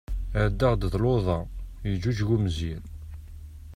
Ɛeddaɣ-d d luḍa, yeǧǧuǧeg umezzir.